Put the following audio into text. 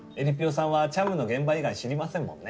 さんはちゃむの現場以外知りませんもんね